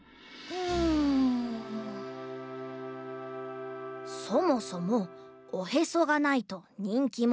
そもそもおへそがないとにんきものになれないんだよ。